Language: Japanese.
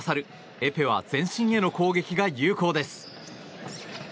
エペは全身への攻撃が有効です。